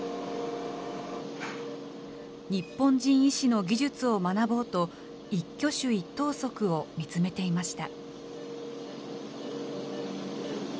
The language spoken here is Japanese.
日本人医師の技術を学ぼうと、一挙手一投足を見つめていました。